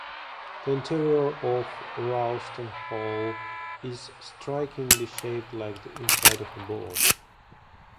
The interior of Ralston Hall is strikingly shaped like the inside of a boat.